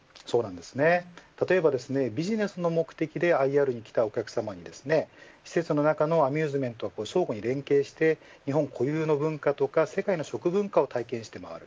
例えばビジネスの目的でＩＲに来たお客さまに施設の中のアミューズメントを相互に連携して日本固有の文化とか世界の食文化を体験して回る。